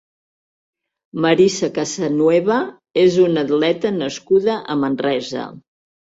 Marisa Casanueva és una atleta nascuda a Manresa.